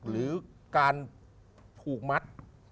หรือการผูกมัด